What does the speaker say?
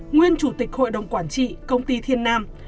nguyên chủ tịch hội đồng quản trị công ty thiên nam